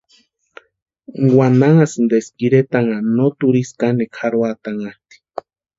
Wantanhasti eska iretanha no turhisïri kanekwa jarhoatanhati.